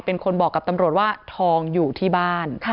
เป็นคนบอกกับตำรวจว่าทองอยู่ที่บ้าน